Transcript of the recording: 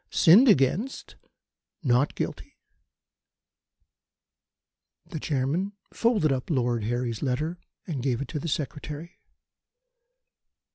Sinned against not guilty." The Chairman folded up Lord Harry's letter and gave it to the Secretary.